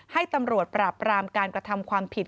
ให้ตำรวจปราบรามการกระทำความผิด